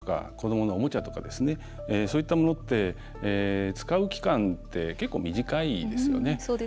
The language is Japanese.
ベビーカーとか子ども服とか子どものおもちゃとかそういったものって使う期間って結構、短いですよね。